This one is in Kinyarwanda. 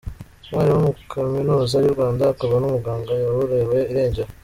Umwarimu muri Kaminuza y’u Rwanda akaba n’umuganga yaburiwe irengero